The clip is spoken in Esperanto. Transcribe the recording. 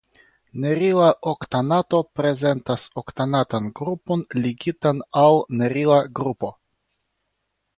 Nerila oktanato prezentas oktanatan grupon ligitan al nerila grupo.